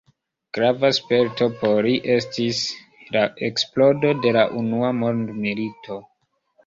Grava sperto por li estis la eksplodo de la Unua mondmilito.